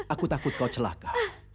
aku takut kau celaka